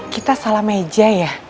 kita salah meja ya